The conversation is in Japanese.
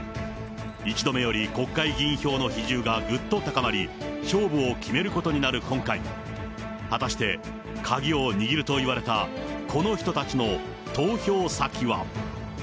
１度目より国会議員票の比重がぐっと高まり、勝負を決めることになる今回、果たして、鍵を握るといわれた、この人たちの投票先は。